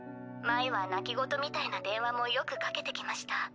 前は泣き言みたいな電話もよく掛けてきました。